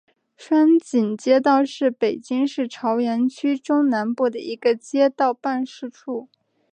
双井街道是北京市朝阳区中南部的一个街道办事处。